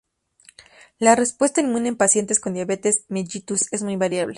La respuesta inmune en pacientes con diabetes Mellitus es muy variable.